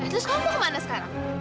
terus kamu mau ke mana sekarang